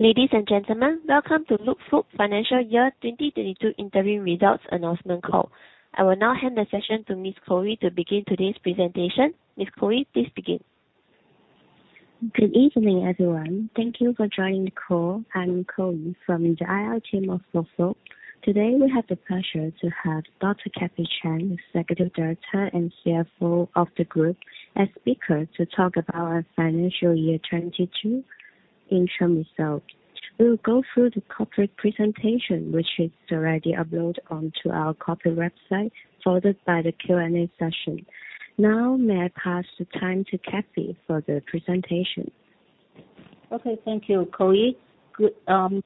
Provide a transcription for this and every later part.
Ladies and gentlemen, welcome to Luk Fook Financial Year 2022 Interim Results Announcement call. I will now hand the session to Ms. Chloe to begin today's presentation. Ms. Chloe, please begin. Good evening, everyone. Thank you for joining the call. I'm Chloe from the IR team of Luk Fook. Today, we have the pleasure to have Dr. Kathy Chan, Executive Director and CFO of the group, as speaker to talk about our financial year 2022 interim results. We will go through the corporate presentation, which is already uploaded onto our corporate website, followed by the Q&A session. Now, may I pass the time to Kathy for the presentation. Okay, thank you, Chloe. Good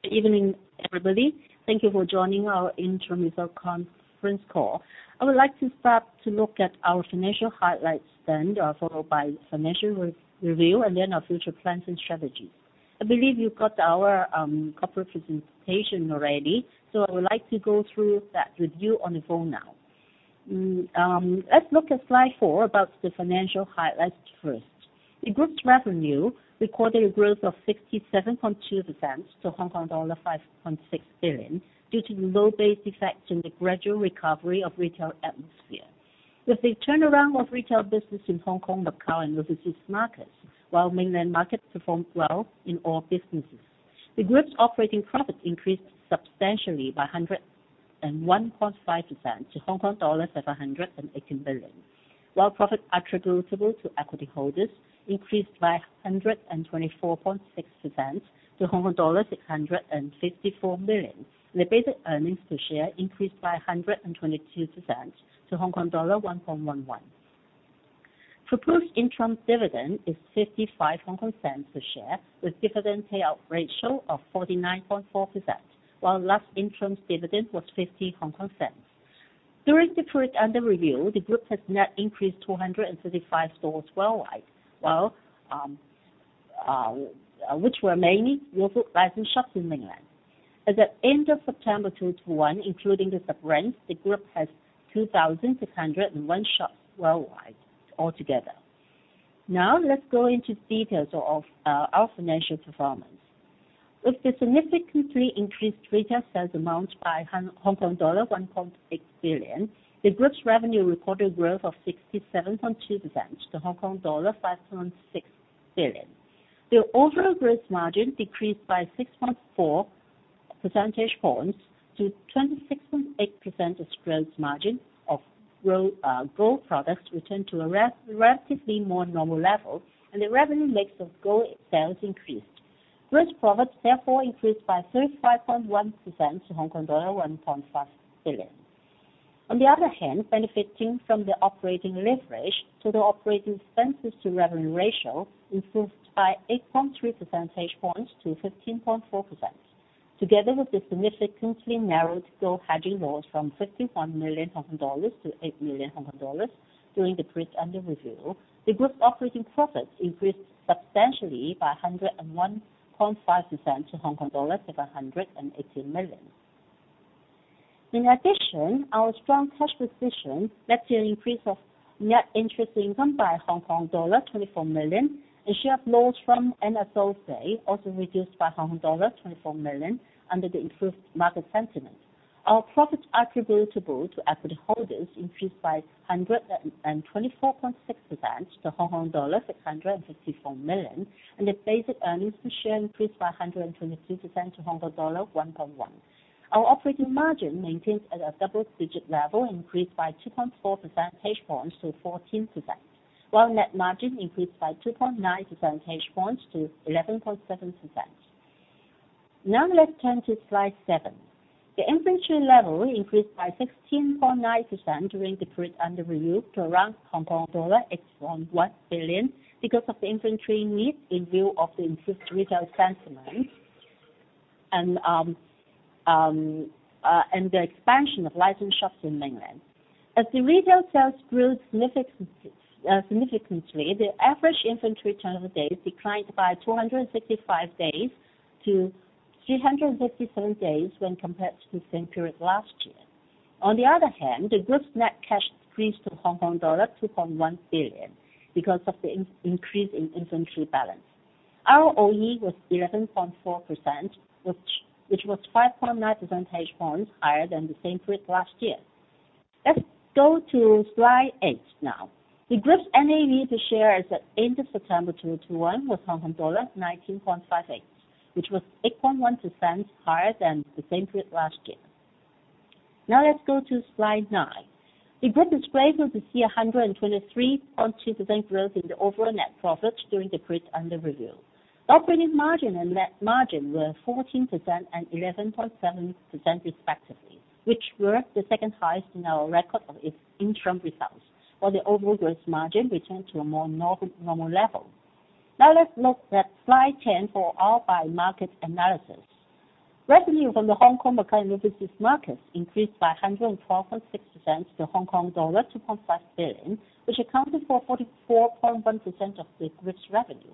evening, everybody. Thank you for joining our interim results conference call. I would like to start to look at our financial highlights then, followed by financial review and then our future plans and strategies. I believe you got our corporate presentation already, so I would like to go through that with you on the phone now. Let's look at slide four about the financial highlights first. The group's revenue recorded a growth of 67.2% to Hong Kong dollar 5.6 billion due to the low base effect and the gradual recovery of retail atmosphere. With the turnaround of retail business in Hong Kong, Macau, and overseas markets, while mainland markets performed well in all businesses. The group's operating profit increased substantially by 101.5% to 118 billion Hong Kong dollars. Profit attributable to equity holders increased by 124.6% to Hong Kong dollars 654 million. The basic earnings per share increased by 122% to Hong Kong dollar 1.11. Proposed interim dividend is HK$0.55 per share with dividend payout ratio of 49.4%, while last interim dividend was HK$0.50. During the period under review, the group has net increased 235 stores worldwide, while, which were mainly Luk Fook licensed shops in Mainland. At the end of September 2021, including the sub-brands, the group has 2,601 shops worldwide altogether. Now, let's go into details of our financial performance. With the significantly increased retail sales amount by Hong Kong dollar 1.6 billion, the group's revenue recorded growth of 67.2% to Hong Kong dollar 5.6 billion. The overall gross margin decreased by 6.4 percentage points to 26.8% as gross margin of gold products returned to a relatively more normal level, and the revenue mix of gold sales increased. Gross profits therefore increased by 35.1% to Hong Kong dollar 1.5 billion. On the other hand, benefiting from the operating leverage to the operating expenses to revenue ratio improved by 8.3 percentage points to 15.4%. Together with the significantly narrowed gold hedging loss from HKD 51 million to HKD 8 million during the period under review, the group's operating profit increased substantially by 101.5% to Hong Kong dollar 718 million. In addition, our strong cash position led to an increase of net interest income by Hong Kong dollar 24 million. The share of loss from associates also reduced by Hong Kong dollar 24 million under the improved market sentiment. Our profits attributable to equity holders increased by 124.6% to Hong Kong dollar 654 million, and the basic earnings per share increased by 122% to Hong Kong dollar 1.10. Our operating margin maintains at a double-digit level, increased by 2.4 percentage points to 14%, while net margin increased by 2.9 percentage points to 11.7%. Now let's turn to slide 7. The inventory level increased by 16.9% during the period under review to around 8.1 billion Hong Kong dollar, because of the inventory need in view of the improved retail sentiment and the expansion of licensed shops in Mainland. As the retail sales grew significantly, the average inventory turnover days declined by 265 days to 357 days when compared to the same period last year. On the other hand, the group's net cash increased to Hong Kong dollar 2.1 billion because of the increase in inventory balance. Our OE was 11.4%, which was 5.9 percentage points higher than the same period last year. Let's go to slide eight now. The group's NAV per share as at end of September 2021 was Hong Kong dollar 19.58, which was 8.1% higher than the same period last year. Now let's go to slide nine. The group is pleased to see 123.2% growth in the overall net profits during the period under review. Operating margin and net margin were 14% and 11.7% respectively, which were the second highest in our record of its interim results, while the overall gross margin returned to a more normal level. Now let's look at slide 10 for our by market analysis. Revenue from the Hong Kong, Macau, and overseas markets increased by 104.6% to Hong Kong dollar 2.5 billion, which accounted for 44.1% of the group's revenue.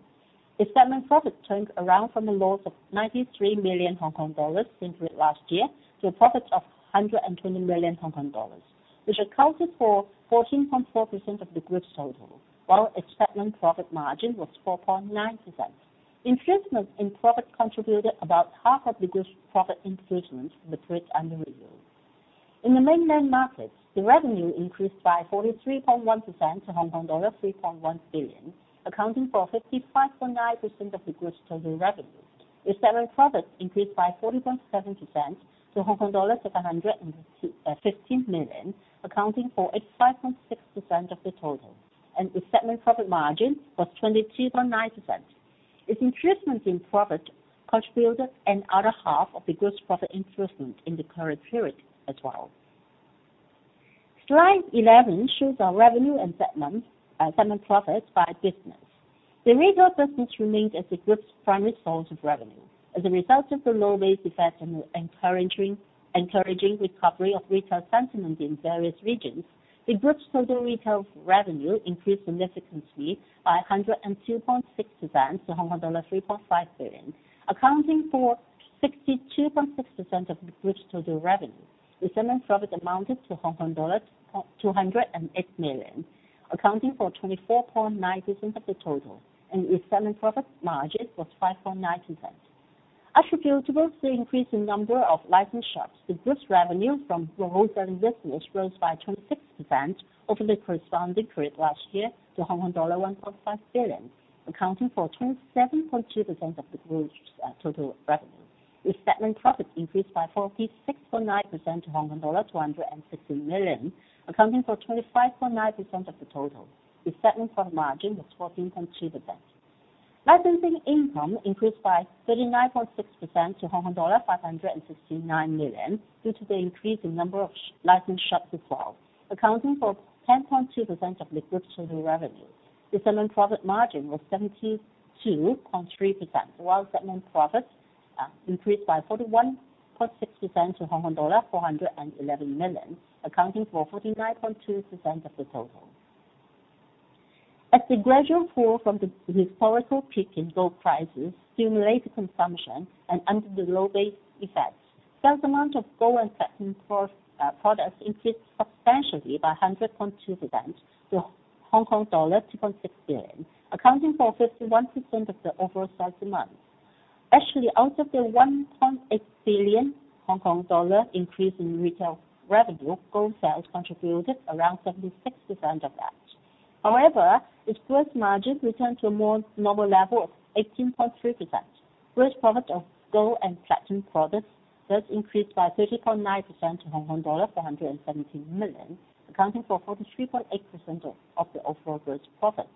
The segment profit turned around from a loss of 93 million Hong Kong dollars in the same period last year to a profit of 120 million Hong Kong dollars, which accounted for 14.4% of the group's total. Its segment profit margin was 4.9%. Increase in profit contributed about half of the group's profit increase in the period under review. In the mainland markets, the revenue increased by 43.1% to Hong Kong dollar 3.1 billion, accounting for 55.9% of the group's total revenue. The segment profit increased by 40.7% to Hong Kong dollars 706.15 million, accounting for 85.6% of the total. Its segment profit margin was 22.9%. Its increase in profit contributed another half of the group's profit increase in the current period as well. Slide 11 shows our revenue and segment profit by business. The retail business remains as the group's primary source of revenue. As a result of the low base effect and the encouraging recovery of retail sentiment in various regions, the group's total retail revenue increased significantly by 102.6% to Hong Kong dollar 3.5 billion. Accounting for 62.6% of the group's total revenue. The segment profit amounted to Hong Kong dollars 208 million, accounting for 24.9% of the total, and its segment profit margin was 5.9%. Attributable to the increase in number of licensed shops, the group's revenue from wholesale business rose by 26% over the corresponding period last year to Hong Kong dollar 1.5 billion, accounting for 27.2% of the group's total revenue. The segment profit increased by 46.9% to 260 million Hong Kong dollar, accounting for 25.9% of the total. The segment profit margin was 14.2%. Licensing income increased by 39.6% to Hong Kong dollar 569 million due to the increase in number of licensed shops as well, accounting for 10.2% of the group's total revenue. The segment profit margin was 72.3%, while segment profits increased by 41.6% to Hong Kong dollar 411 million, accounting for 49.2% of the total. As the gradual fall from the historical peak in gold prices stimulate the consumption and under the low base effects, sales amount of gold and platinum products increased substantially by 100.2% to Hong Kong dollar 2.6 billion, accounting for 51% of the overall sales amount. Actually, out of the 1.8 billion Hong Kong dollar increase in retail revenue, gold sales contributed around 76% of that. However, its gross margin returned to a more normal level of 18.3%. Gross profit of gold and platinum products thus increased by 30.9% to Hong Kong dollar 417 million, accounting for 43.8% of the overall gross profit.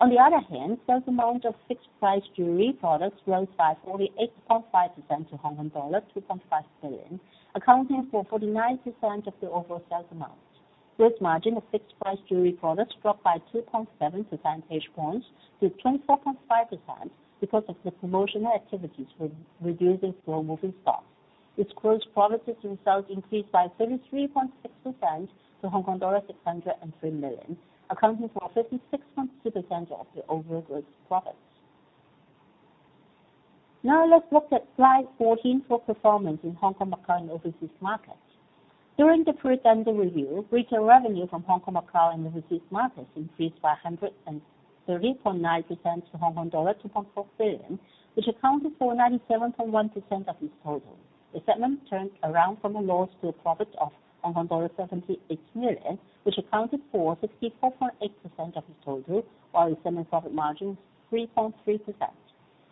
On the other hand, sales amount of fixed-price jewelry products rose by 48.5% to Hong Kong dollar 2.5 billion, accounting for 49% of the overall sales amount. Gross margin of fixed-price jewelry products dropped by 2.7 percentage points to 24.5% because of the promotional activities reducing slow-moving stock. Its gross profit as a result increased by 33.6% to Hong Kong dollar 603 million, accounting for 56.2% of the overall gross profit. Now let's look at slide 14 for performance in Hong Kong, Macau, and overseas markets. During the period under review, retail revenue from Hong Kong, Macau, and overseas markets increased by 130.9% to Hong Kong dollar 2.4 billion, which accounted for 97.1% of its total. The segment turned around from a loss to a profit of 78 million, which accounted for 64.8% of the total, while the segment profit margin was 3.3%.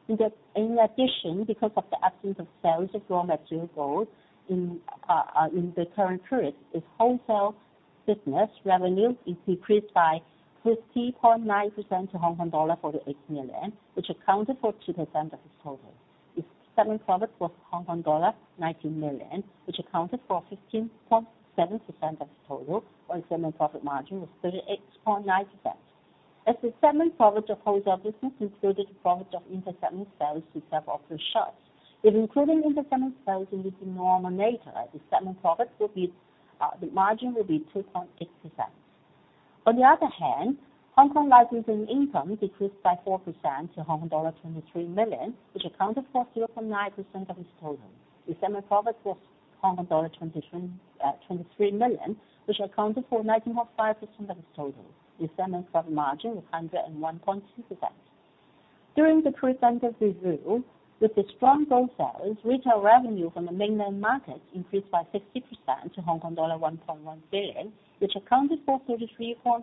In addition, because of the absence of sales of raw material gold in the current period, its wholesale business revenue decreased by 50.9% to 48 million Hong Kong dollar, which accounted for 2% of its total. Its segment profit was Hong Kong dollar 19 million, which accounted for 15.7% of the total, while segment profit margin was 38.9%. As the segment profit of wholesale business included the profit of intersegment sales to third parties, if including intersegment sales in this denominator, the margin would be 2.6%. On the other hand, Hong Kong licensing income decreased by 4% to Hong Kong dollar 23 million, which accounted for 0.9% of its total. The segment profit was 23 million, which accounted for 19.5% of its total. The segment profit margin was 101.2%. During the period under review, with the strong gold sales, retail revenue from the mainland market increased by 60% to Hong Kong dollar 1.1 billion, which accounted for 35.3%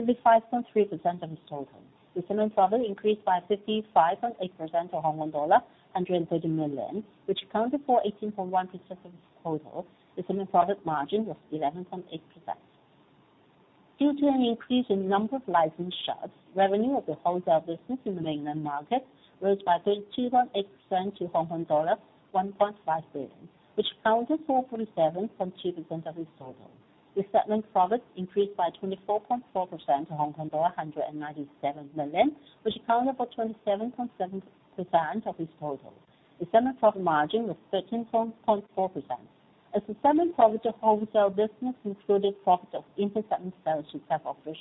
of its total. The segment profit increased by 55.8% to Hong Kong dollar 130 million, which accounted for 18.1% of its total, the segment profit margin was 11.8%. Due to an increase in number of licensed shops, revenue of the wholesale business in the mainland market rose by 20.8% to HKD 1.5 billion, which accounted for 47.2% of its total. The segment profit increased by 24.4% to Hong Kong dollar 197 million, which accounted for 27.7% of its total. The segment profit margin was 13.4% as the segment profit of wholesale business included profit of intersegment sales to third parties.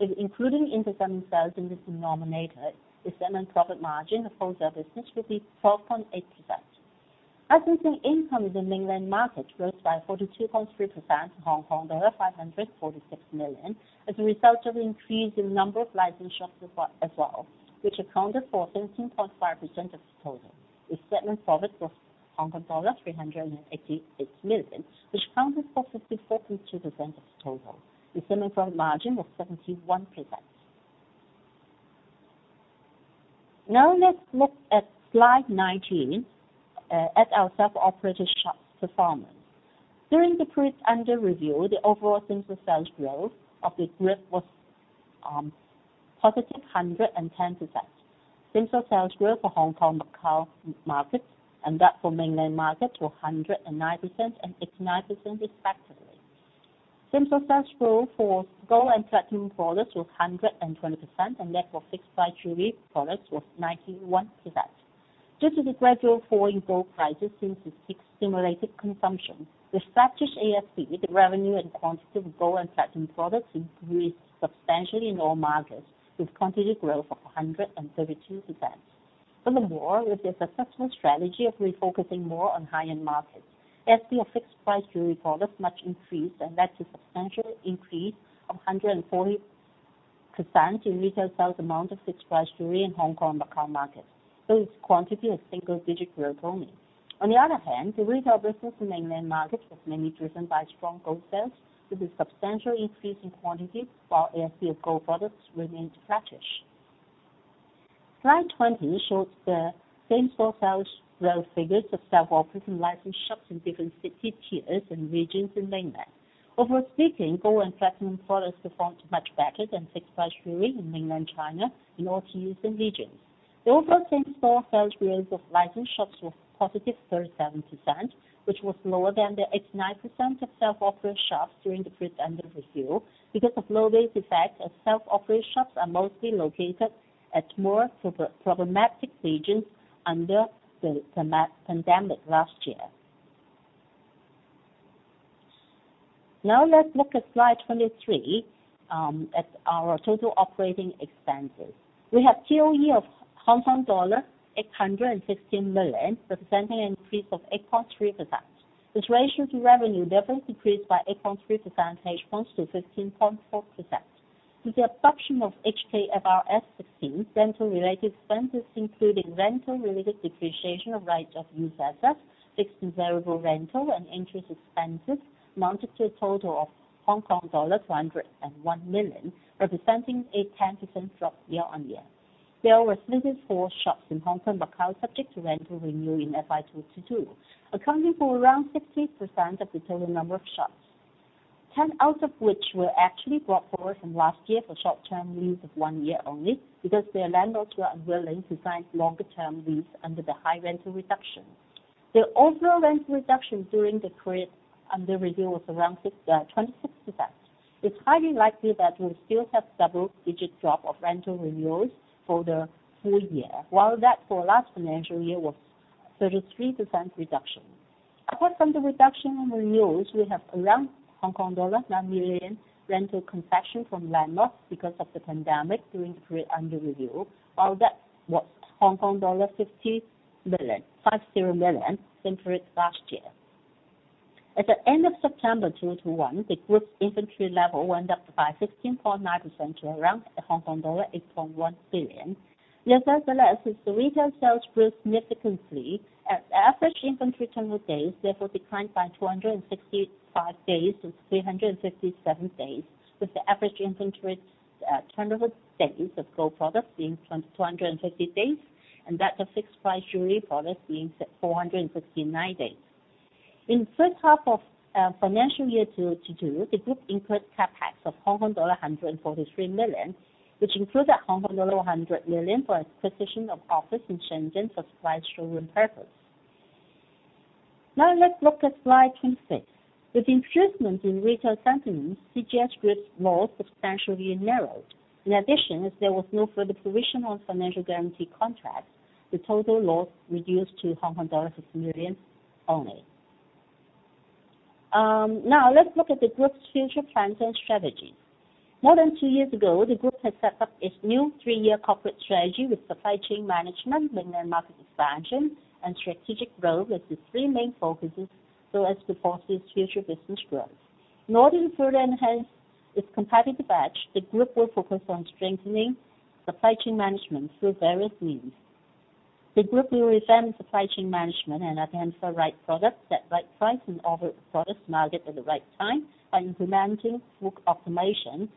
If including intersegment sales in this denominator, the segment profit margin of wholesale business would be 12.8%. Operating income in the Mainland market grows by 42.3%, 546 million as a result of increase in number of licensed shops as well, which accounted for 17.5% of the total. The segment profit was Hong Kong dollars 386 million, which accounted for 54.2% of the total. The segment profit margin was 71%. Now let's look at slide 19 at our self-operated shops performance. During the period under review, the overall same-store sales growth of the group was positive 110%. Same-store sales growth for Hong Kong Macau markets and that for Mainland market were 109% and 89% respectively. Same-store sales growth for gold and platinum products was 120%, and that for fixed-price jewelry products was 91%. Due to the gradual fall in gold prices since the sixth stimulated consumption, the average ASP with the revenue and quantity of gold and platinum products increased substantially in all markets, with quantity growth of 132%. Furthermore, with the successful strategy of refocusing more on high-end markets, ASP of fixed-price jewelry products much increased and led to substantial increase of 140% in retail sales amount of fixed-price jewelry in Hong Kong and Macau markets. Its quantity had a single-digit growth only. On the other hand, the retail business in Mainland market was mainly driven by strong gold sales with a substantial increase in quantity while ASP of gold products remained flattish. Slide 20 shows the same-store sales growth figures of self-operated and licensed shops in different city tiers and regions in Mainland. Overall speaking, gold and platinum products performed much better than fixed-price jewelry in Mainland China in all tiers and regions. The overall same-store sales growth of licensed shops was positive 37%, which was lower than the 89% of self-operated shops during the period under review because of low base effect as self-operated shops are mostly located at more problematic regions under the pandemic last year. Now let's look at slide 23, at our total operating expenses. We have TOE of Hong Kong dollar 816 million, representing an increase of 8.3%. Its ratio to revenue level decreased by 8.3% in response to 15.4%. With the adoption of HKFRS 16, rental-related expenses, including rental-related depreciation of right-of-use assets, fixed and variable rental, and interest expenses amounted to a total of Hong Kong dollar 201 million, representing a 10% drop year-on-year. There were leases for shops in Hong Kong and Macau subject to rental review in FY 2022, accounting for around 60% of the total number of shops. 10 out of which were actually brought forward from last year for short-term lease of one year only because their landlords were unwilling to sign longer term lease under the high rental reduction. The overall rental reduction during the period under review was around 26%. It's highly likely that we'll still have double-digit drop of rental renewals for the full year, while that for last financial year was 33% reduction. Apart from the reduction in renewals, we have around Hong Kong dollar 9 million rental concession from landlords because of the pandemic during the period under review, while that was Hong Kong dollar 50 million same period last year. At the end of September 2021, the group's inventory level went up by 16.9% to around Hong Kong dollar 8.1 billion. Nevertheless, as the retail sales grew significantly, the average inventory turnover days therefore declined by 265 days to 357 days, with the average inventory turnover days of gold products being 250 days, and that of fixed-price jewelry products being 459 days. In the first half of FY 2022, the group incurred CapEx of Hong Kong dollar 143 million, which included Hong Kong dollar 100 million for acquisition of office in Shenzhen for flagship showroom purpose. Now let's look at slide 26. With improvements in retail sentiment, CGS Group's loss substantially narrowed. In addition, as there was no further provision on financial guarantee contracts, the total loss reduced to Hong Kong dollar 60 million only. Now let's look at the group's future plans and strategy. More than two years ago, the group had set up its new three-year corporate strategy with supply chain management, Mainland market expansion, and strategic growth as the three main focuses so as to foster its future business growth. In order to further enhance its competitive edge, the group will focus on strengthening supply chain management through various means. The group will revamp supply chain management and aim for right product at right price and offer the products to the market at the right time by implementing full automation,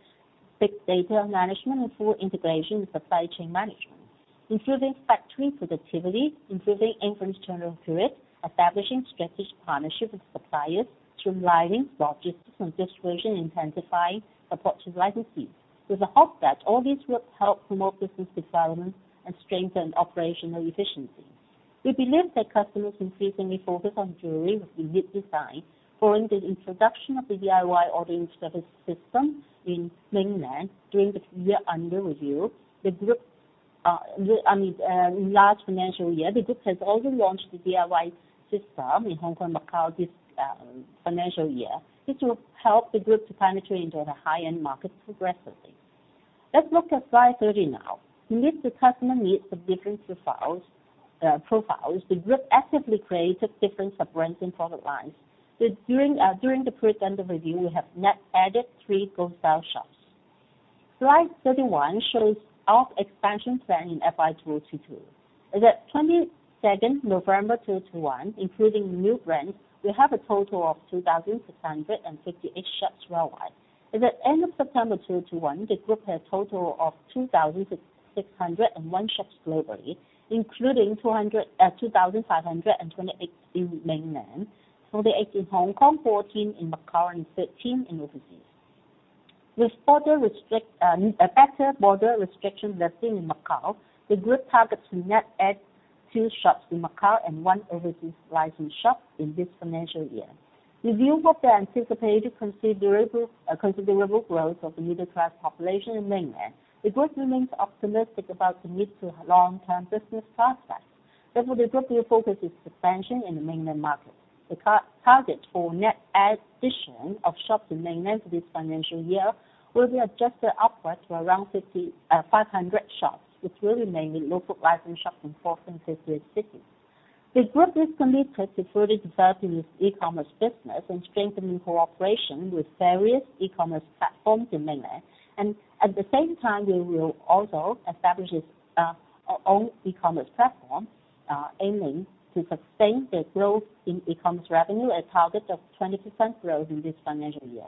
big data management, and full integration with supply chain management, improving factory productivity, improving inventory turnover period, establishing strategic partnership with suppliers, streamlining logistics and distribution, intensifying approach to licensees. With the hope that all these will help promote business development and strengthen operational efficiency. We believe that customers increasingly focus on jewelry with unique design. Following the introduction of the DIY ordering service system in Mainland during the period under review, I mean in last financial year, the group has also launched the DIY system in Hong Kong and Macau this financial year. This will help the group to penetrate into the high-end market progressively. Let's look at slide 30 now. To meet the customer needs of different profiles, the group actively created different sub-brands and product lines. During the period under review, we have net added three Goldstyle shops. Slide 31 shows our expansion plan in FY 2022. As at 22 November 2021, including new brands, we have a total of 2,658 shops worldwide. As at end of September 2021, the group had a total of 2,601 shops globally, including 2,528 in mainland, 48 in Hong Kong, 14 in Macau, and 13 in overseas. With effective border restrictions lifting in Macau, the group targets to net add two shops in Macau and one overseas licensed shop in this financial year. In view of the anticipated considerable growth of the middle-class population in mainland, the group remains optimistic about the mid to long-term business prospects. Therefore, the group will focus its expansion in the mainland market. The co-target for net addition of shops in mainland for this financial year will be adjusted upwards to around 500 shops, which will remain in local licensed shops in 4th- and 5th-tier cities. The group is committed to further developing its e-commerce business and strengthening cooperation with various e-commerce platforms in mainland. At the same time, we will also establish our own e-commerce platform, aiming to sustain the growth in e-commerce revenue, a target of 20% growth in this financial year.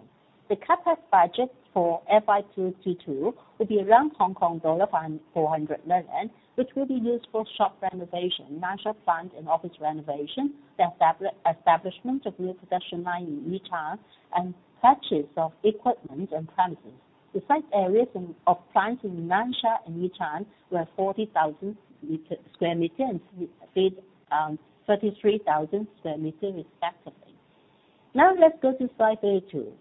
The CapEx budget for FY 2022 will be around Hong Kong dollar 400 million, which will be used for shop renovation, Nansha plant and office renovation, the establishment of new production line in Yichang, and purchase of equipment and premises. The site areas of plants in Nansha and Yichang were 40,000 sq m and 33,000 sq m respectively. Now let's go to slide 32.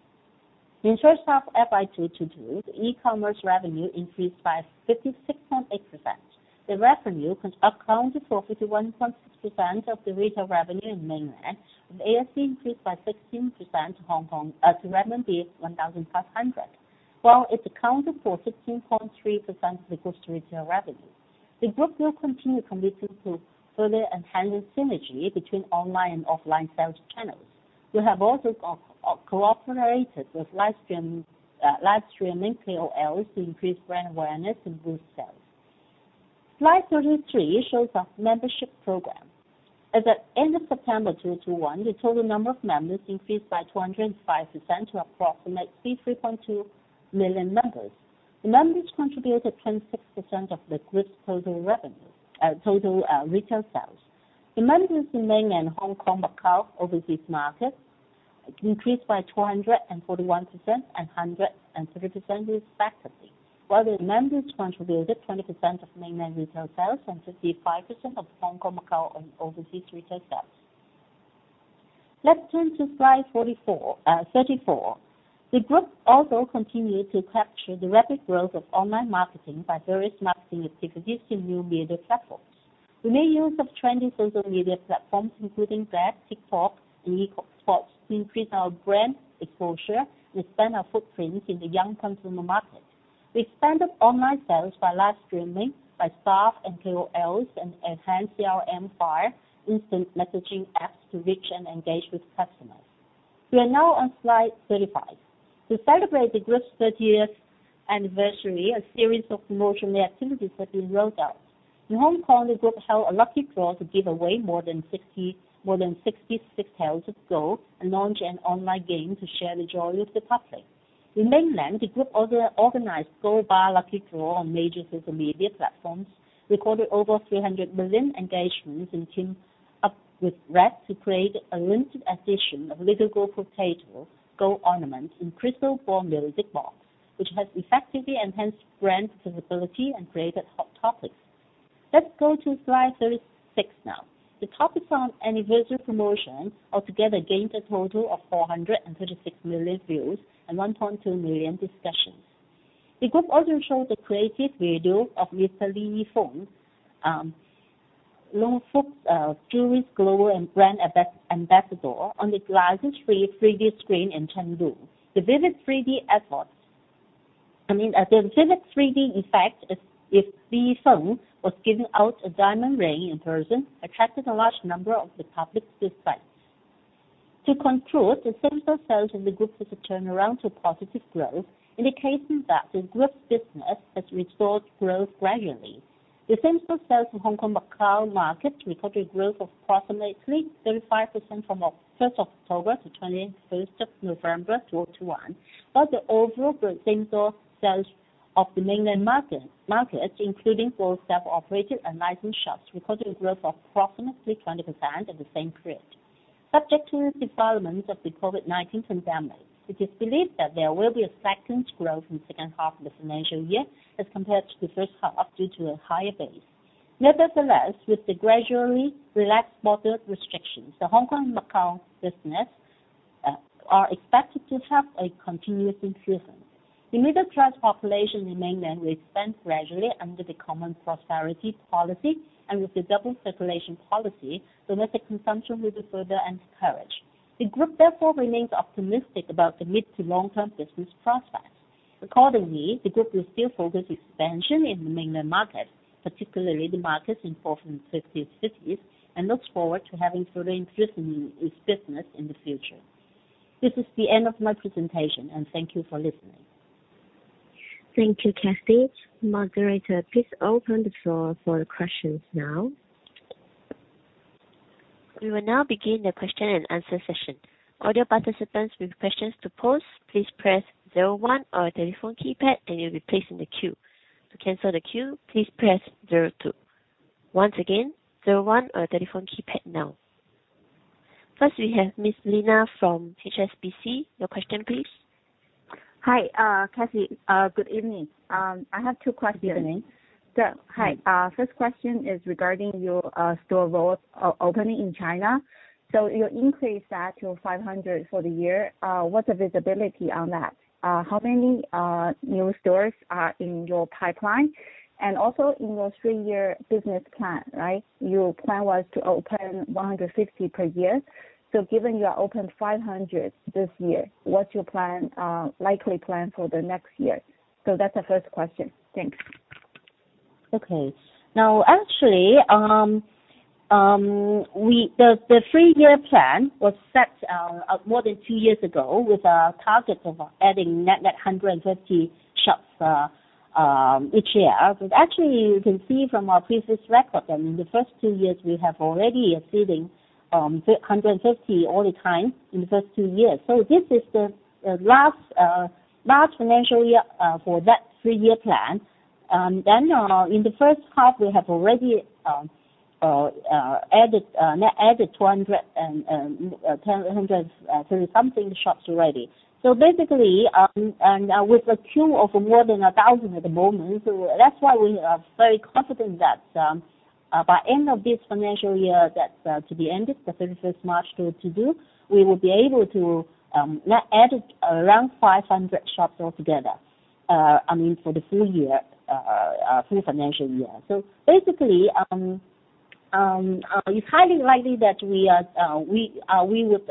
In first half FY 2022, the e-commerce revenue increased by 56.8%. The revenue can account for 51.6% of the retail revenue in mainland, with ASP increased by 16% to 1,500, while it accounted for 16.3% of the group's retail revenue. The group will continue committing to further enhance the synergy between online and offline sales channels. We have also cooperated with live streaming KOLs to increase brand awareness and boost sales. Slide 33 shows our membership program. As at end of September 2021, the total number of members increased by 205% to approximately 3.2 million members. The members contributed 16% of the group's total retail sales. The members in mainland, Hong Kong, Macau, overseas markets increased by 241% and 130% respectively, while the members contributed 20% of mainland retail sales and 55% of Hong Kong, Macau, and overseas retail sales. Let's turn to slide 34. The group also continued to capture the rapid growth of online marketing by various marketing activities in new media platforms. We made use of trendy social media platforms, including Threads, TikTok, and Little Red Book to increase our brand exposure and expand our footprints in the young consumer market. We expanded online sales by live streaming by staff and KOLs and enhanced CRM via instant messaging apps to reach and engage with customers. We are now on slide 35. To celebrate the group's 30th anniversary, a series of promotional activities have been rolled out. In Hong Kong, the group held a lucky draw to give away more than 66 taels of gold and launched an online game to share the joy with the public. In mainland, the group also organized gold bar lucky draw on major social media platforms, recorded over 300 million engagements, and teamed up with Threads to create a limited edition of Little Gold Potato gold ornaments in crystal ball music box, which has effectively enhanced brand visibility and created hot topics. Let's go to slide 36 now. The topics on anniversary promotion altogether gained a total of 436 million views and 1.2 million discussions. The group also showed the creative video of Mr. Li Yifeng, Luk Fook's jewelry's global and brand ambassador on the glasses-free 3D screen in Chengdu. The vivid 3D effect as if Li Yifeng was giving out a diamond ring in person attracted a large number of the public's likes. To conclude, the same store sales in the group has a turnaround to positive growth, indicating that the group's business has restored growth gradually. The same store sales in Hong Kong, Macau market recorded growth of approximately 35% from first of October to twenty-first of November 2021, while the overall same store sales of the mainland market, including both staff operated and licensed shops, recorded a growth of approximately 20% in the same period. Subject to the development of the COVID-19 pandemic, it is believed that there will be a second growth in second half of the financial year as compared to the first half due to a higher base. Nevertheless, with the gradually relaxed border restrictions, the Hong Kong and Macau business are expected to have a continuous increase. The middle-class population in mainland will expand gradually under the Common Prosperity policy, and with the double circulation policy, domestic consumption will be further encouraged. The group therefore remains optimistic about the mid- to long-term business prospects. Accordingly, the group will still focus expansion in the mainland market, particularly the markets in fourth and fifth tier cities, and looks forward to having further increasing its business in the future. This is the end of my presentation, and thank you for listening. Thank you, Kathy. Moderator, please open the floor for the questions now. We will now begin the question and answer session. All your participants with questions to pose, please press zero one on your telephone keypad, and you'll be placed in the queue. To cancel the queue, please press zero two. Once again, zero one on your telephone keypad now. First we have Ms. Lena from HSBC. Your question please. Hi, Kathy. Good evening. I have two questions. Good evening. Hi. First question is regarding your store opening in China. You increased that to 500 for the year. What's the visibility on that? How many new stores are in your pipeline? And also in your three-year business plan, right? Your plan was to open 150 per year. Given you have opened 500 this year, what's your likely plan for the next year? That's the first question. Thanks. Okay. Now, actually, the three-year plan was set more than two years ago with a target of adding net 150 shops each year. Actually, you can see from our previous record. I mean, the first two years we have already exceeding the 150 all the time in the first two years. This is the last financial year for that three-year plan. In the first half, we have already net added 230-something shops already. Basically, with a queue of more than 1,000 at the moment, that's why we are very confident that by end of this financial year that's to be ended 31st March, we will be able to net add around 500 shops altogether, I mean, for the full year, full financial year. It's highly likely that we would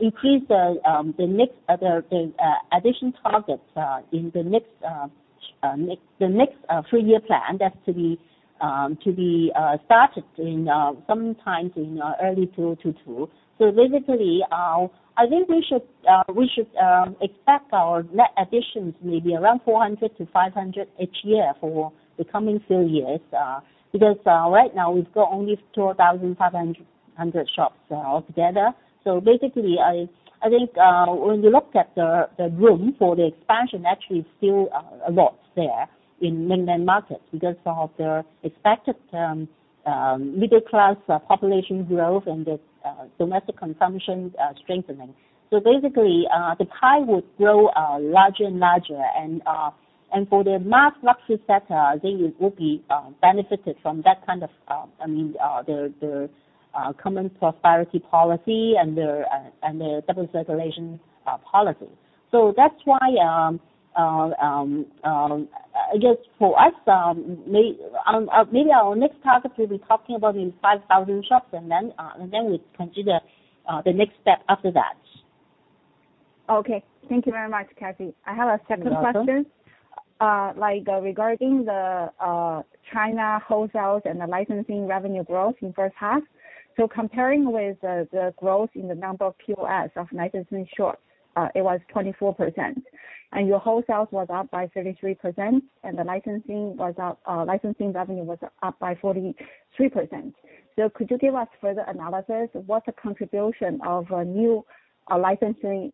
increase the next addition targets in the next three-year plan that's to be started sometime in early 2023. Basically, I think we should expect our net additions maybe around 400-500 each year for the coming three years. Because right now we've got only 2,500 shops altogether. Basically I think when you look at the room for the expansion actually is still a lot there in mainland markets because of the expected middle class population growth and the domestic consumption strengthening. Basically the pie would grow larger and larger and for the mass luxury sector, they will be benefited from that kind of I mean the Common Prosperity policy and the double circulation policy. That's why I guess for us may. Maybe our next target will be talking about in 5,000 shops, and then we consider the next step after that. Okay. Thank you very much, Kathy. You're welcome. I have a second question. Like regarding the China wholesale and the licensing revenue growth in first half. Comparing with the growth in the number of POS of licensing shops, it was 24%. Your wholesale was up by 33%, and the licensing revenue was up by 43%. Could you give us further analysis? What's the contribution of a new licensing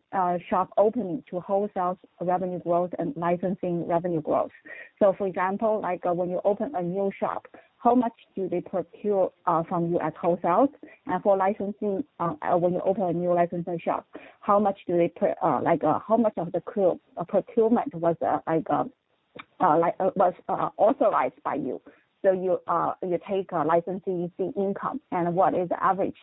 shop opening to wholesale revenue growth and licensing revenue growth? For example, like when you open a new shop, how much do they procure from you at wholesale? And for licensing, when you open a new licensing shop, how much of the procurement was authorized by you? You take a licensing fee income and what is the average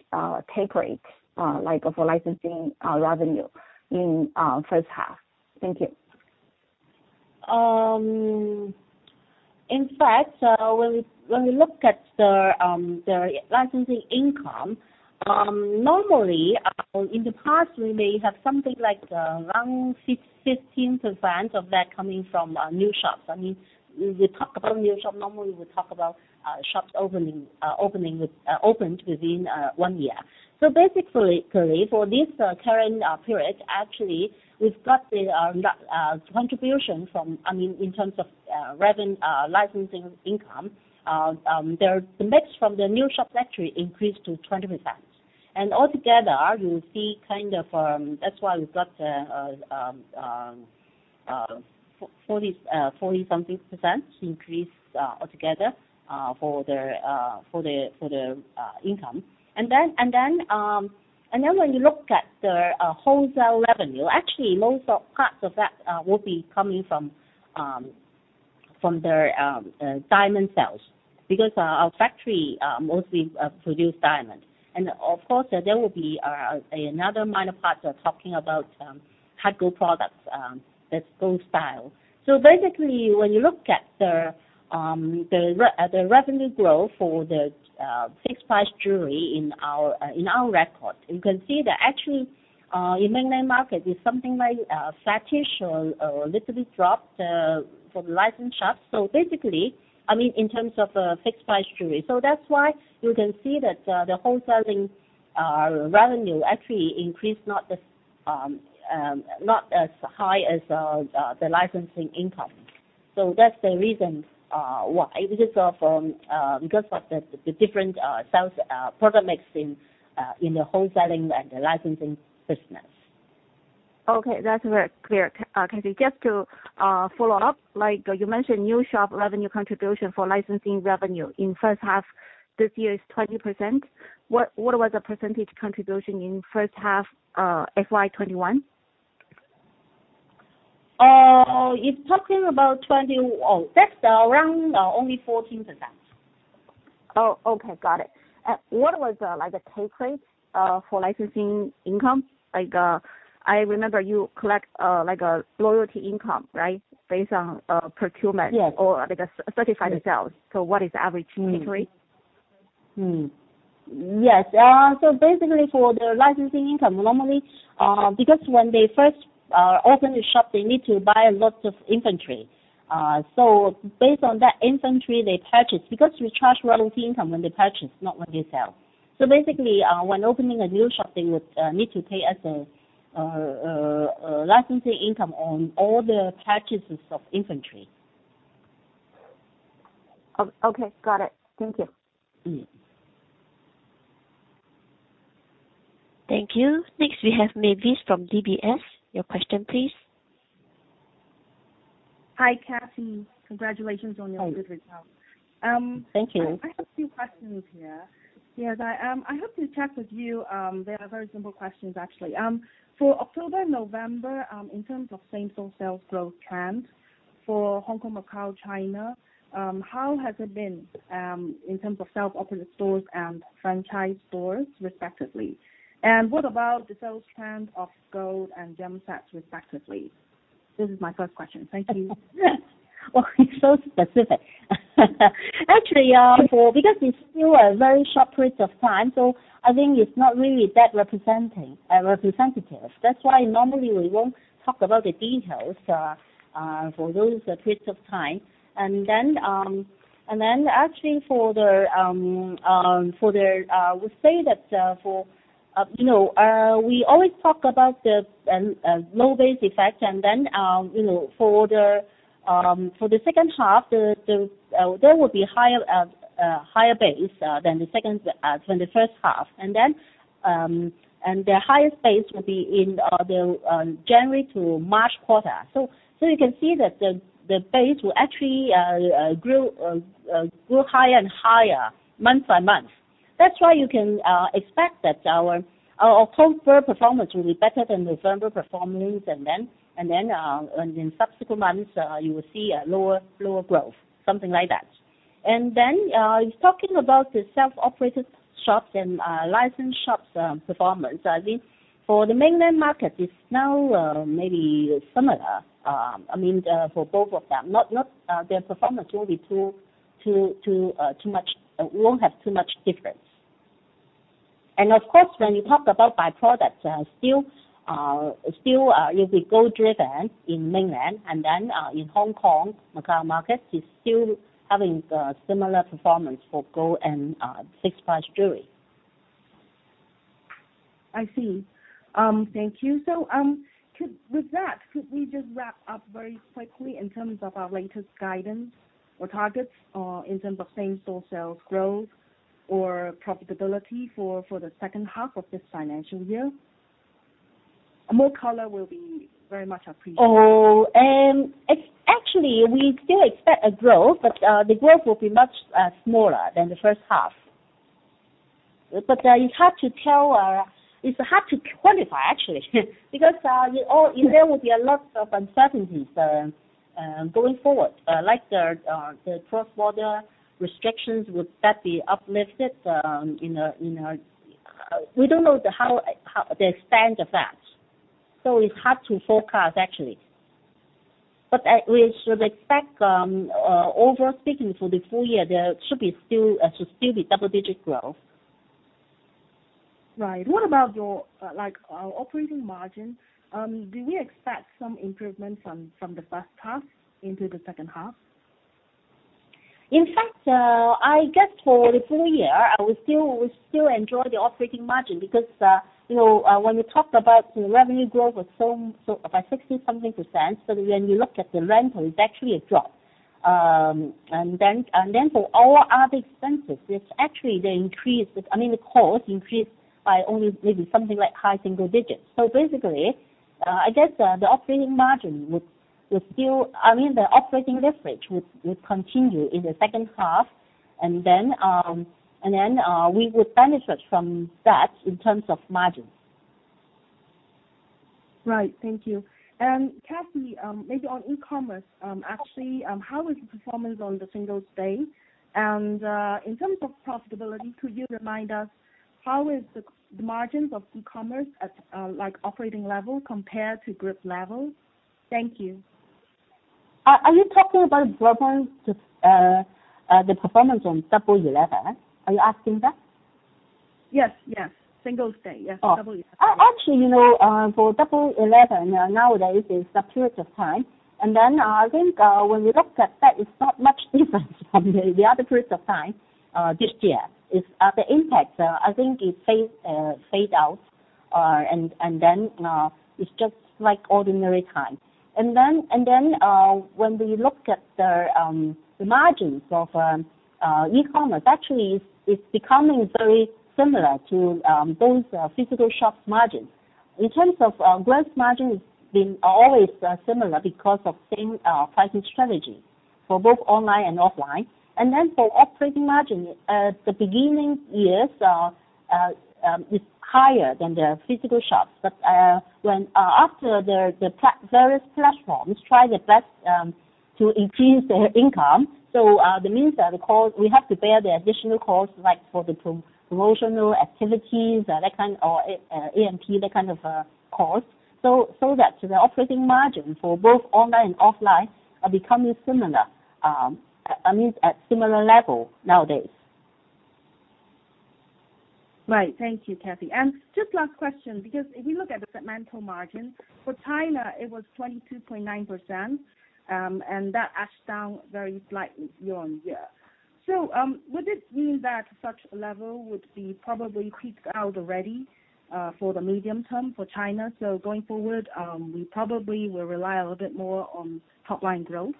take rate like of a licensing revenue in first half? Thank you. In fact, when we look at the licensing income, normally in the past we may have something like around 15% of that coming from new shops. I mean, we talk about new shop, normally we talk about shops opening within one year. Basically, for this current period, actually, we've got the contribution from, I mean, in terms of licensing income. The mix from the new shops actually increased to 20%. Altogether, you'll see kind of that's why we've got 40%-something increase altogether for the income. When you look at the wholesale revenue, actually most parts of that will be coming from diamond sales, because our factory mostly produce diamond. Of course, there will be another minor part, we're talking about hard gold products. That's Goldstyle. Basically, when you look at the revenue growth for the fixed-price jewelry in our record, you can see that actually in mainland market is something like flattish or little bit dropped from licensed shops. Basically, I mean, in terms of fixed-price jewelry. That's why you can see that the wholesaling revenue actually increased not as high as the licensing income. That's the reason why. Because of the different sales product mix in the wholesaling and the licensing business. Okay. That's very clear, Kathy. Just to follow up, like you mentioned, new shop revenue contribution for licensing revenue in first half this year is 20%. What was the percentage contribution in first half, FY 2021? It's something about 20%. Oh, that's around only 14%. Oh, okay. Got it. What was, like, the take rate for licensing income? Like, I remember you collect, like, a loyalty income, right? Based on procurement- Yes. I guess, certified sales. What is average take rate? Basically for the licensing income, normally, because when they first open a shop, they need to buy a lot of inventory. Based on that inventory they purchase, because we charge royalty income when they purchase, not when they sell. Basically, when opening a new shop, they would need to pay us a licensing income on all the purchases of inventory. Okay. Got it. Thank you. Mm-hmm. Thank you. Next, we have Mavis Hui from DBS. Your question please. Hi, Kathy. Congratulations on your good results. Thank you. I have a few questions here. Yes. I hope to chat with you, they are very simple questions actually. For October, November, in terms of same-store sales growth trend for Hong Kong, Macau, China, how has it been, in terms of self-operated stores and franchise stores respectively? And what about the sales trend of gold and gem sets respectively? This is my first question. Thank you. Oh, it's so specific. Actually, because it's still a very short period of time, so I think it's not really that representative. That's why normally we won't talk about the details for those periods of time. Actually, we say that, you know, we always talk about the low base effect and then, you know, for the second half, there will be higher base than the first half. The highest base will be in the January to March quarter. You can see that the base will actually grow higher and higher month by month. That's why you can expect that our October performance will be better than November performance. In subsequent months, you will see a lower growth, something like that. You're talking about the self-operated shops and licensed shops performance. I think for the mainland market, it's now maybe similar. I mean for both of them. Not their performance will be too much, won't have too much difference. Of course, when you talk about by product, still it'll be gold-driven in mainland, and then in Hong Kong, Macau market is still having similar performance for gold and fixed-price jewelry. I see. Thank you. With that, could we just wrap up very quickly in terms of our latest guidance or targets in terms of same-store sales growth or profitability for the second half of this financial year? More color will be very much appreciated. Oh, it's actually, we still expect a growth, but the growth will be much smaller than the first half. It's hard to tell, it's hard to quantify actually because you all... Yeah. There will be a lot of uncertainties going forward. Like the cross-border restrictions, would that be uplifted? We don't know how the extent of that. It's hard to forecast actually. We should expect overall speaking for the full year, there should still be double-digit growth. Right. What about your like operating margin? Do we expect some improvements from the first half into the second half? In fact, I guess for the full year, we still enjoy the operating margin because, you know, when you talk about the revenue growth was so by 60%-something, so when you look at the rental, it's actually a drop. For all other expenses, it's actually the increase, I mean the cost increased by only maybe something like high single digits. Basically, I guess, the operating margin would still. I mean, the operating leverage would continue in the second half and then we would benefit from that in terms of margins. Right. Thank you. Kathy, maybe on e-commerce. Actually, how is the performance on the Singles' Day? In terms of profitability, could you remind us how is the margins of e-commerce at like operating level compare to group level? Thank you. Are you talking about the performance on Double 11? Are you asking that? Yes. Singles' Day. Yes. Oh. Double 11. Actually, you know, for Double 11, nowadays, it's a period of time. I think when we look at that, it's not much different from the other periods of time this year. It's the impact, I think it fade out, and then it's just like ordinary time. When we look at the margins of e-commerce, actually it's becoming very similar to those physical shops' margins. In terms of gross margin, it's been always similar because of same pricing strategy for both online and offline. For operating margin, the beginning years, it's higher than the physical shops. When various platforms try their best to increase their income, that means that the costs we have to bear the additional costs, like for the promotional activities, that kind, or A&P, that kind of cost, so that the operating margin for both online and offline are becoming similar. I mean, at similar level nowadays. Right. Thank you, Kathy. Just last question, because if you look at the segmental margin for China, it was 22.9%, and that edged down very slightly year-on-year. Would it mean that such a level would be probably peaked out already for the medium term for China, so going forward, we probably will rely a little bit more on top line growth?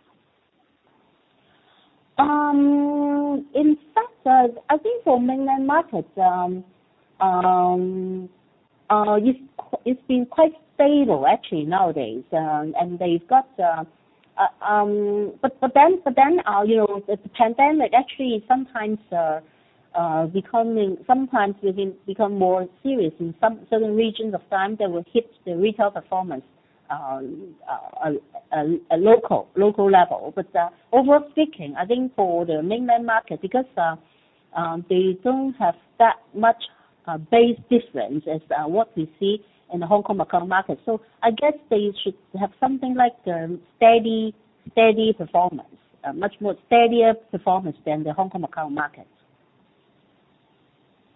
In fact, I think for mainland markets, it's been quite stable actually nowadays. You know, the pandemic actually sometimes becoming, sometimes even become more serious in some certain regions at times that will hit the retail performance, local level. Overall speaking, I think for the mainland market, because they don't have that much base effect as what we see in the Hong Kong-Macau market. I guess they should have something like steady performance, much more steadier performance than the Hong Kong-Macau market.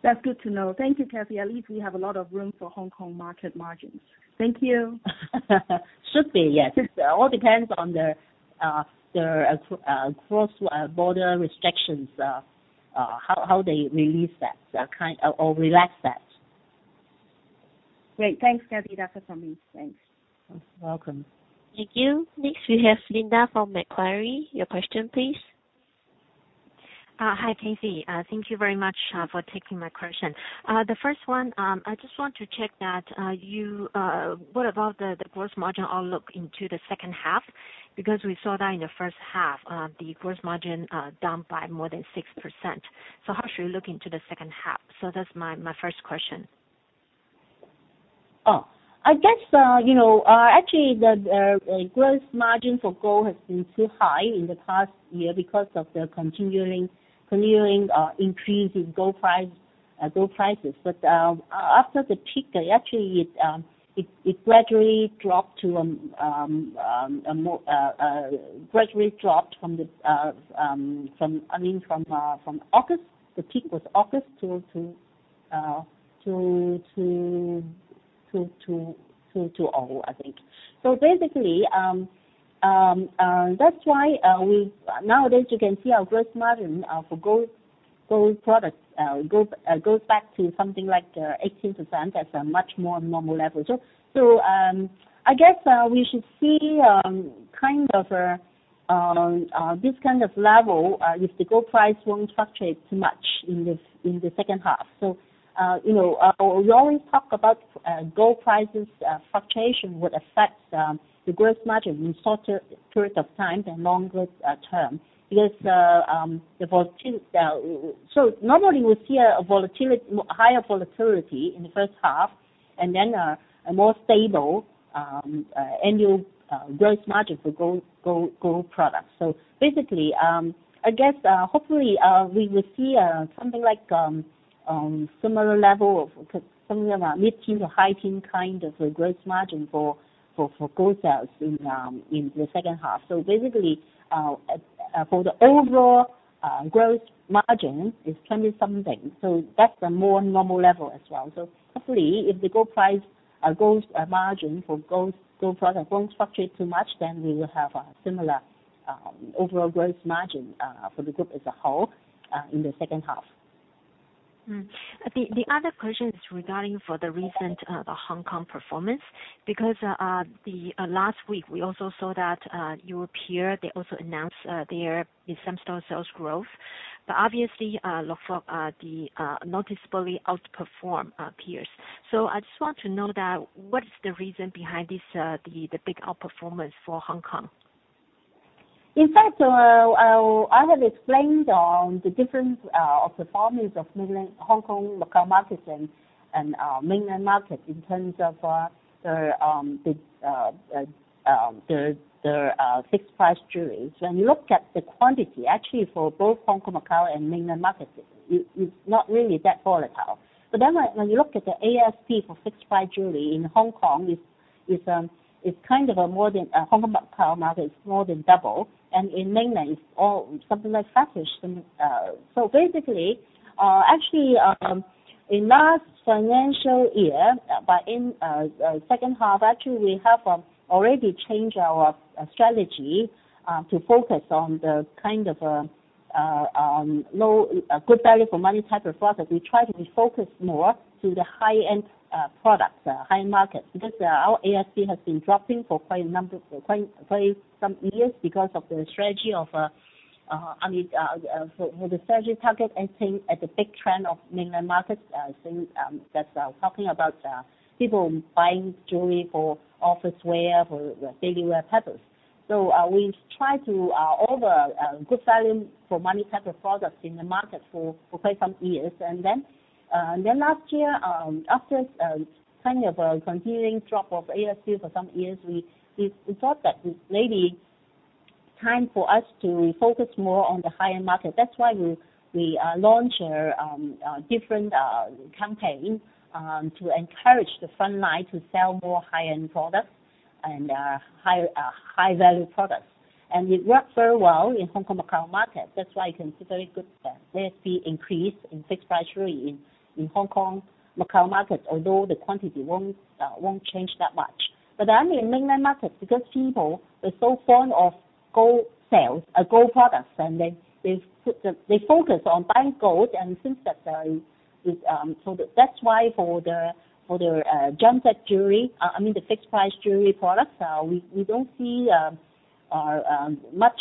That's good to know. Thank you, Kathy. At least we have a lot of room for Hong Kong market margins. Thank you. Should be, yes. It all depends on the cross-border restrictions, how they release that, or relax that. Great. Thanks, Kathy. That was something. Thanks. You're welcome. Thank you. Next we have Linda Huang from Macquarie. Your question please. Hi, Kathy. Thank you very much for taking my question. The first one, I just want to check that, you, what about the gross margin outlook into the second half? Because we saw that in the first half, the gross margin down by more than 6%. How should we look into the second half? That's my first question. I guess, you know, actually the gross margin for gold has been too high in the past year because of the continuing increase in gold price, gold prices. After the peak, actually it gradually dropped from, I mean, from August, the peak was August to August. Basically, that's why. Nowadays, you can see our gross margin for gold products goes back to something like 18%. That's a much more normal level. I guess we should see kind of this kind of level if the gold price won't fluctuate too much in the second half. You know, we always talk about gold prices fluctuation would affect the gross margin in shorter period of time than longer term because normally we see higher volatility in the first half, and then a more stable annual gross margin for gold products. Basically, I guess, hopefully, we will see something like similar level of something about mid-teens% to high-teens% kind of a gross margin for gold sales in the second half. Basically, for the overall gross margin, it's 20%-something, so that's a more normal level as well. Hopefully, if the gold price or gold margin for gold product won't fluctuate too much, then we will have a similar overall gross margin for the group as a whole in the second half. The other question is regarding for the recent Hong Kong performance, because last week we also saw that your peer they also announced their same-store sales growth. Obviously, Luk Fook noticeably outperformed peers. I just want to know what is the reason behind this big outperformance for Hong Kong? In fact, I have explained the difference of performance of mainland Hong Kong local markets and mainland markets in terms of the fixed-price jewelry. When you look at the quantity, actually for both Hong Kong, Macau, and mainland markets, it's not really that volatile. When you look at the ASP for fixed-price jewelry in Hong Kong, it's kind of more than the Hong Kong Macau market, it's more than double. In Mainland it's all something like half-ish. Basically, actually in last financial year, in second half, actually we have already changed our strategy to focus on the kind of a good value for money type of product. We try to be focused more to the high-end products, high market, because our ASP has been dropping for quite some years because of the strategy of, I mean, for the strategy target I think at the big trend of Mainland markets, I think, that's talking about people buying jewelry for office wear, for daily wear purpose. We try to offer good value for money type of products in the market for quite some years. Last year, after kind of a continuing drop of ASP for some years, we thought that it maybe time for us to focus more on the high-end market. That's why we launch a different campaign to encourage the front line to sell more high-end products and high value products. It worked very well in Hong Kong, Macau market. That's why you can see very good ASP increase in fixed-price jewelry in Hong Kong, Macau markets although the quantity won't change that much. Only in Mainland markets because people are so fond of gold, so gold products, and they focus on buying gold and things that hold value. That's why for the gem-set jewelry. I mean, the fixed-price jewelry products, we don't see much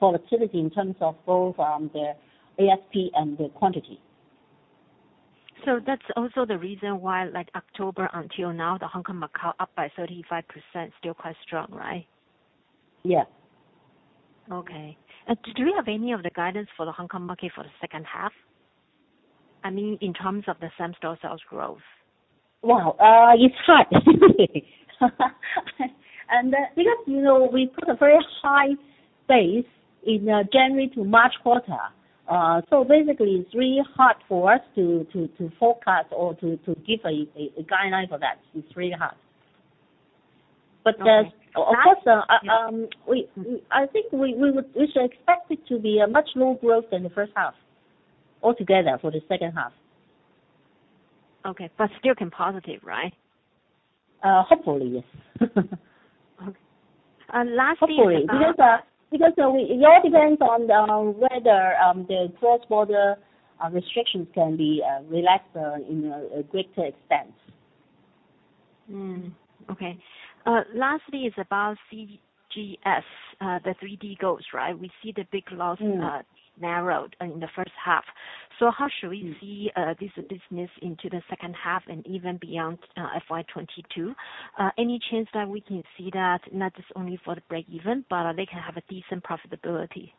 volatility in terms of both the ASP and the quantity. That's also the reason why like October until now, the Hong Kong, Macau up by 35%, still quite strong, right? Yeah. Okay. Do you have any of the guidance for the Hong Kong market for the second half? I mean, in terms of the same-store sales growth. Well, it's hard. Because, you know, we put a very high base in January to March quarter. Basically it's really hard for us to forecast or to give a guideline for that. It's really hard. Okay. Of course. Last... We should expect it to be a much more growth than the first half altogether for the second half. Okay. Still can positive, right? Hopefully, yes. Okay. Lastly, Hopefully, it all depends on whether the cross-border restrictions can be relaxed in a greater extent. Okay. Lastly is about CGS, the 3D-GOLD, right? We see the big loss... Mm. Narrowed in the first half. How should we see... Mm. This business into the second half and even beyond FY 2022? Any chance that we can see that not just only for the breakeven, but they can have a decent profitability?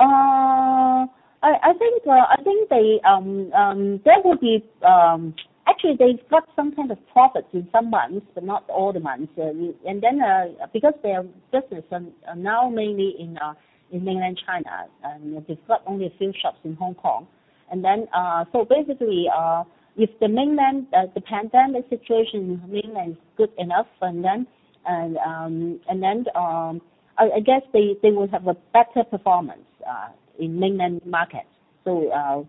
I think there will be. Actually, they've got some kind of profits in some months, but not all the months. Because their business are now mainly in Mainland China, they've got only a few shops in Hong Kong. Basically, if the pandemic situation in Mainland is good enough, I guess they will have a better performance in Mainland markets. Because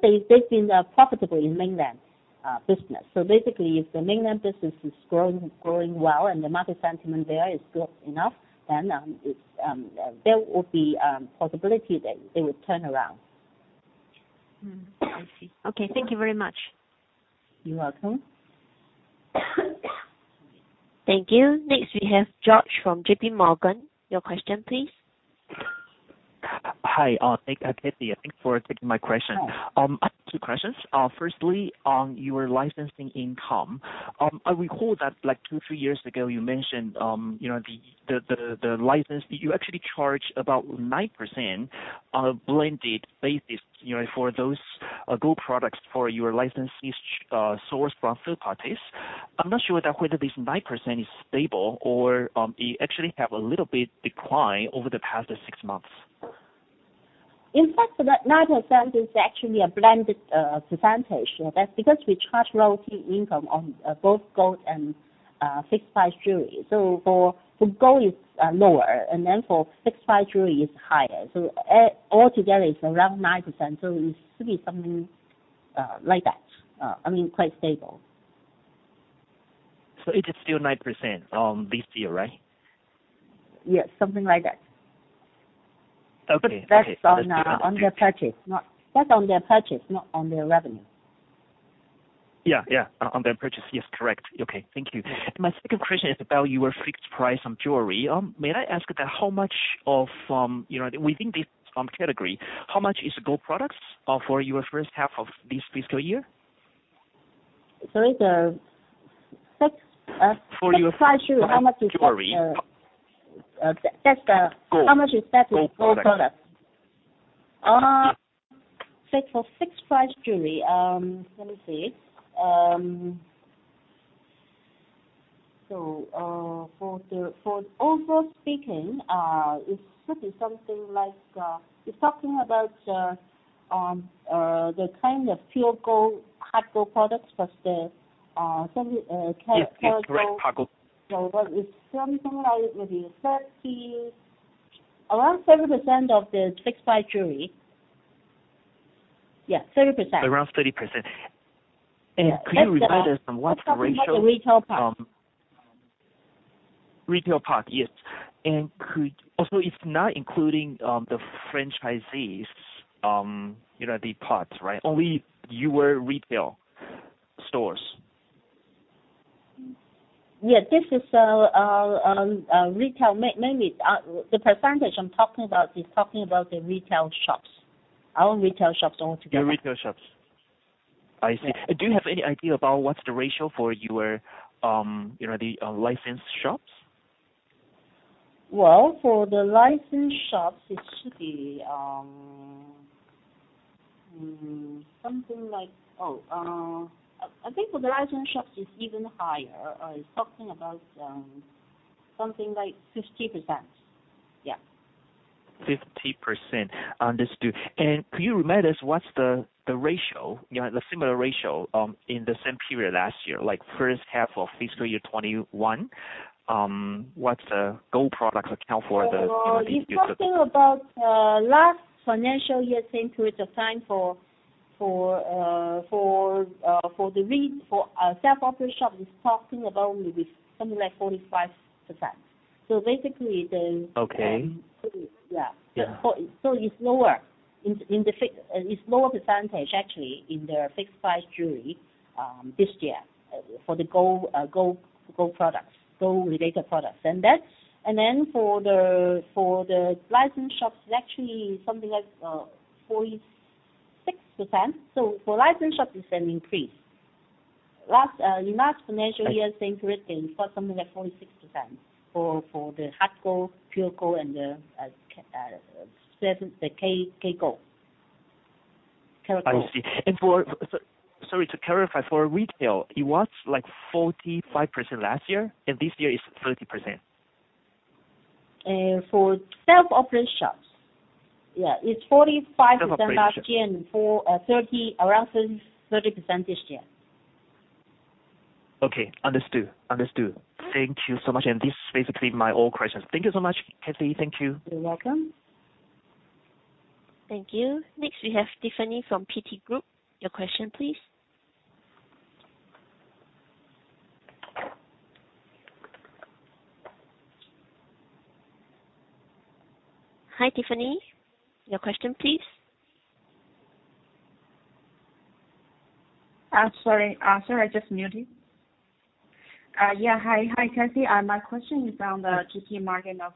they've been profitable in Mainland business. Basically if the Mainland business is growing well and the market sentiment there is good enough, then there will be possibility that they will turn around. I see. Okay, thank you very much. You're welcome. Thank you. Next we have George from JPMorgan. Your question please. Hi. Thank you, Kathy, for taking my question. Sure. I have two questions. Firstly on your licensing income. I recall that like two to three years ago you mentioned, you know, the license. You actually charge about 9% on a blended basis, you know, for those gold products for your licensees sourced from third parties. I'm not sure whether this 9% is stable or you actually have a little bit decline over the past six months. In fact, that 9% is actually a blended percentage. That's because we charge royalty income on both gold and fixed-price jewelry. For gold is lower, and then for fixed-price jewelry is higher. Altogether it's around 9%. It should be something like that. I mean, quite stable. It is still 9%, this year, right? Yes, something like that. Okay. Okay. That's on their purchase, not on their revenue. Yeah, yeah, on their purchase. Yes, correct. Okay, thank you. My second question is about your fixed-price jewelry. May I ask that how much of, you know, within this, category, how much is gold products, for your first half of this fiscal year? Sorry. For your... Fixed-price jewelry, how much is that? Jewelry. Uh, that's, uh... Gold. How much is that for gold products? Gold. Correct. For fixed-price jewelry, let me see. For overall speaking, it should be something like it's talking about the kind of pure gold, hard gold products plus the semi karat gold. Yes. Correct. Karat gold. It's something like maybe 30%. Around 30% of the fixed-price jewelry. Yeah, 30%. Around 30%. Could you remind us, what's the ratio? Let's talk about the retail part. Retail part. Yes. Also it's not including, the franchisees, you know, the partners, right? Only your retail stores. Yeah. This is retail. Maybe the percentage I'm talking about is talking about the retail shops. Our retail shops altogether. Your retail shops. I see. Do you have any idea about what's the ratio for your, you know, the licensed shops? Well, for the licensed shops, I think it's even higher. It's something about something like 50%. Yeah. 50%. Understood. Could you remind us what's the ratio, you know, the similar ratio, in the same period last year, like first half of fiscal year 2021, what's the gold products account for the, you know, the... If talking about last financial year same period of time for the self-operated shop, it is something like 45%. Basically the Okay. Yeah. Yeah. It's lower. It's lower percentage actually in the fixed-price jewelry this year for the gold products. Gold related products. For the licensed shops, it's actually something like 46%. For licensed shops it's an increase. In last financial year... Right. Same period, it was something like 46% for the hard gold, pure gold and the K gold. Karat gold. I see. Sorry, to clarify. For retail, it was like 45% last year, and this year it's 30%? For self-operated shops, it's 45%... Self-operated shops. Last year and for 30%, around 30% this year. Okay. Understood. Yeah. Thank you so much. This is basically my all questions. Thank you so much, Kathy. Thank you. You're welcome. Thank you. Next we have Tiffany from PT Group. Your question please. Hi, Tiffany. Your question please. Sorry. Sorry, I just muted. Yeah. Hi. Hi, Kathy. My question is on the GP margin of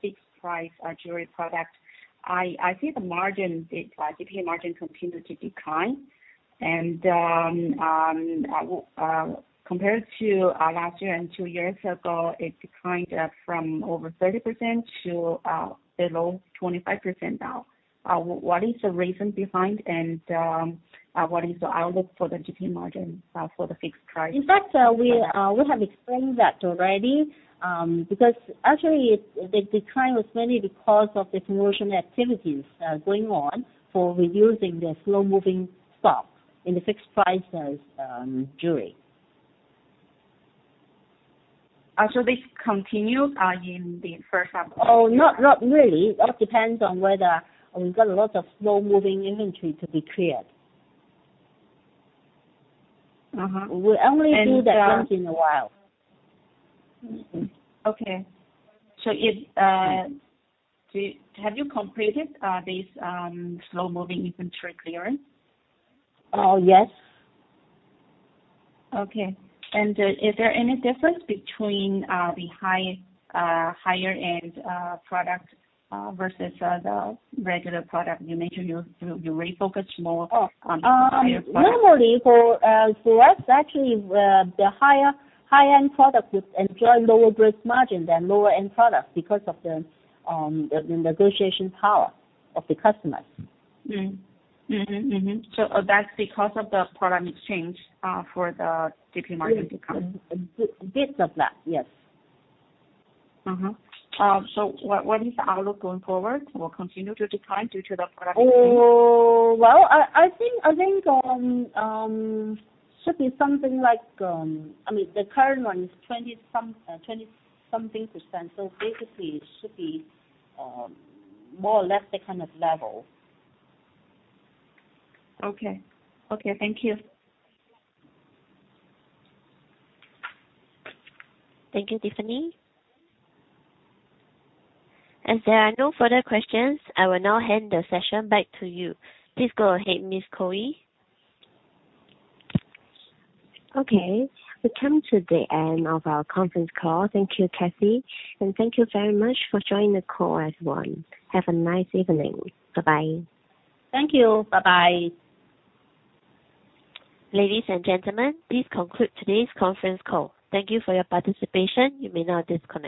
fixed-price jewelry product. I see the margin, the GP margin continued to decline, and compared to last year and two years ago, it declined from over 30% to below 25% now. What is the reason behind, and what is the outlook for the GP margin for the fixed price? In fact, we have explained that already, because actually the decline was mainly because of the promotion activities going on for reducing the slow-moving stock in the fixed-price jewelry. This continues in the first half of this year? Oh, not really. It all depends on whether we've got a lot of slow-moving inventory to be cleared. Uh-huh. We only do that. And, uh... Once in a while. Mm-hmm. Okay. Have you completed this slow moving inventory clearance? Yes. Okay. Is there any difference between the higher end product versus the regular product? You mentioned you refocused more on the higher product. Normally for us, actually the higher-end product would enjoy lower gross margin than lower-end products because of the negotiation power of the customers. That's because of the product change for the GP margin to come? Yes. A bit of that. Yes. What is the outlook going forward? Will continue to decline due to the product change? Well, I think should be something like. I mean, the current one is 20%-something, so basically it should be more or less the kind of level. Okay. Okay. Thank you. Thank you, Tiffany. As there are no further questions, I will now hand the session back to you. Please go ahead, Ms. Chloe. Okay. We come to the end of our conference call. Thank you, Kathy, and thank you very much for joining the call everyone. Have a nice evening. Bye-bye. Thank you. Bye-bye. Ladies and gentlemen, this concludes today's conference call. Thank you for your participation. You may now disconnect.